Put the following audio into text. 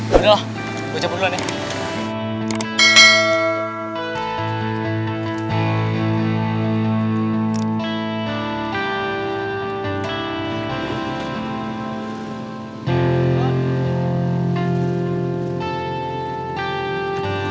yaudahlah gue cepat dulu neng